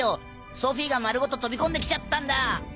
ソフィーが丸ごと飛び込んで来ちゃったんだ！